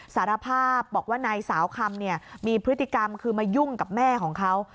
สารภาพบอกว่านายสาวคำเนี่ยมีพฤติกรรมคือมายุ่งกับแม่ของเขา